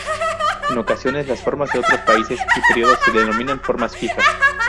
En ocasiones las formas de otros países y períodos se denominan formas fijas.